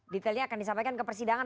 detailnya akan disampaikan ke persidangan